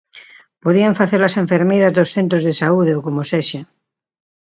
Podían facelo as enfermeiras dos centros de saúde ou como sexa.